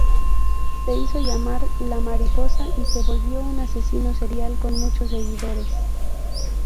Se hizo llamar la "mariposa" y se volvió un asesino serial con muchos seguidores.